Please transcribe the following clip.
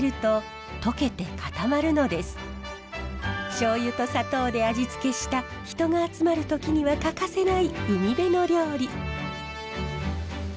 しょうゆと砂糖で味付けした人が集まる時には欠かせない海辺の料理。